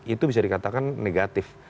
itu bisa dikatakan negatif